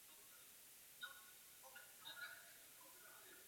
V klasické nauce se uváděly určité obsahové prvky kladené vedle prvku formálního.